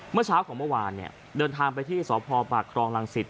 เมื่อเช้าของเมื่อวานเนี่ยเดินทางไปที่สพปากครองรังสิต